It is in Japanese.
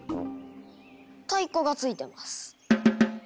太鼓が付いてます。